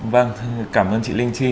vâng cảm ơn chị linh chi